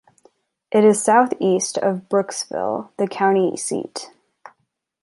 It is southeast of Brooksville, the county seat.